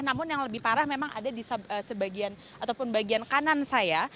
namun yang lebih parah memang ada di sebagian ataupun bagian kanan saya